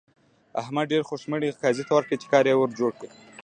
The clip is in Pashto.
احمد ډېرې خوشمړې قاضي ته ورکړې چې کار يې ور جوړ کړي.